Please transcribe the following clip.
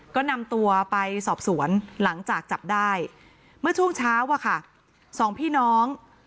ก็นำตัวไปสอบสวนหลังจากจับได้เมื่อช่วงเช้าอะค่ะสองพี่น้อง